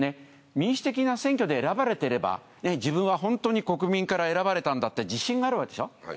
民主的な選挙で選ばれてれば自分は本当に国民から選ばれたんだって自信があるわけでしょ？